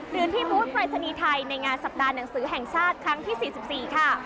หรือทีมบูธปรายศนีย์ไทยในงานสัปดาห์หนังสือแห่งชาติครั้งที่๔๔ค่ะ